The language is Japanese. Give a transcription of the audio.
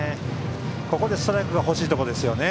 ここでストライクが欲しいところですよね。